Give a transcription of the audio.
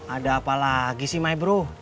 ada apa lagi sih maibro